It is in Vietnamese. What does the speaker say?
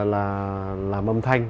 là làm âm thanh